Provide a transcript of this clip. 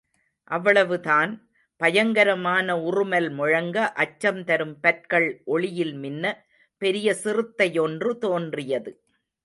அவ்வளவுதான் – பயங்கரமான உறுமல் முழங்க, அச்சம் தரும் பற்கள் ஒளியில் மின்ன, பெரிய சிறுத்தையொன்று தோன்றியது.